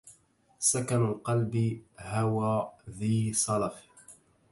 سكن القلب هوى ذي صلف